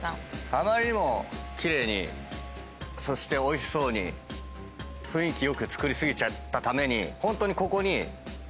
あまりにも奇麗にそしておいしそうに雰囲気良く造り過ぎちゃったために。